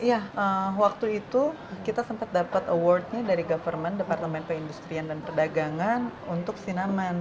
iya waktu itu kita sempat dapat award nya dari government departemen peindustrian dan perdagangan untuk cinnamon